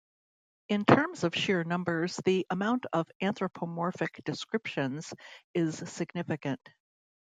In terms of sheer numbers the amount of anthropomorphic descriptions is significant.